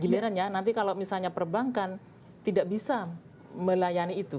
gilirannya nanti kalau misalnya perbankan tidak bisa melayani itu